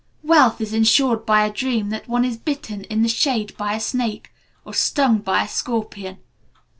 Wealth is ensured by a dream that one is bitten in the shade by a snake, or stung by a scorpion.